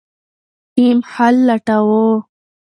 ټیم حل لټاوه.